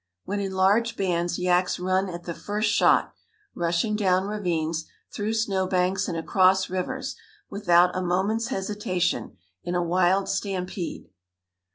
When in large bands yaks run at the first shot, rushing down ravines, through snow banks and across rivers, without a moment's hesitation, in a wild stampede.